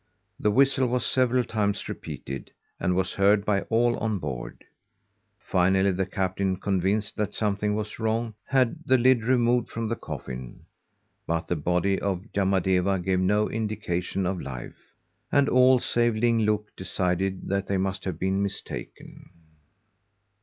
The whistle was several times repeated, and was heard by all on board. Finally the captain, convinced that something was wrong, had the lid removed from the coffin, but the body of Yamadeva gave no indication of life, and all save Ling Look decided that they must have been mistaken.